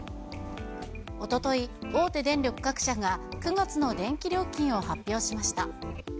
おととい、大手電力各社が、９月の電気料金を発表しました。